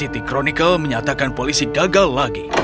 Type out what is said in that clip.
city chronicle menyatakan polisi gagal lagi